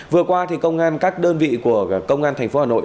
vừa qua các đơn vị của công an tp hà nội